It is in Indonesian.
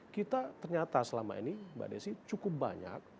kita ternyata selama ini mbak desi cukup banyak